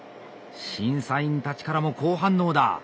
審査員たちからも好反応だ。